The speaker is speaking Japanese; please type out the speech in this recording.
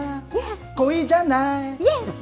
恋じゃない。